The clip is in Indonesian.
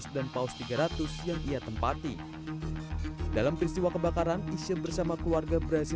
paus tiga ratus yang ia tempati dalam peristiwa kebakaran isya bersama keluarga berhasil